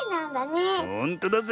ほんとだぜ。